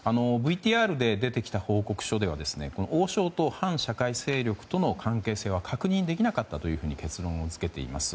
ＶＴＲで出てきた報告書では王将と反社会的勢力との関係性は確認できなかったと結論付けています。